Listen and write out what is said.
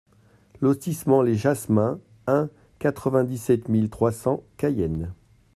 Lotissement Les Jasmins un, quatre-vingt-dix-sept mille trois cents Cayenne